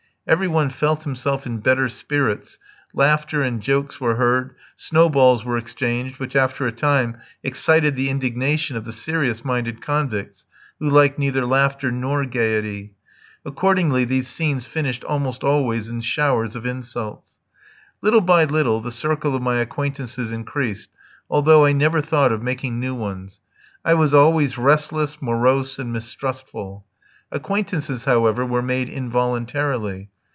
Every one felt himself in better spirits, laughter and jokes were heard, snowballs were exchanged, which after a time excited the indignation of the serious minded convicts, who liked neither laughter nor gaiety. Accordingly these scenes finished almost always in showers of insults. Little by little the circle of my acquaintances increased, although I never thought of making new ones. I was always restless, morose, and mistrustful. Acquaintances, however, were made involuntarily.